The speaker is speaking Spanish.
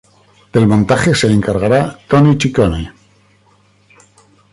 Del montaje se encargará Toni Ciccone.